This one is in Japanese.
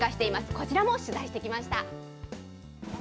こちらも取材してきました。